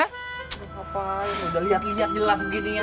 ngapain udah liat liat jelas begini ya